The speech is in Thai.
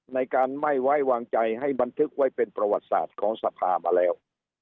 ในการไม่ไว้วางใจให้บันทึกไว้เป็นประวัติศาสตร์ของสภามาแล้ว